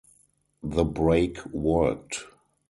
The break worked.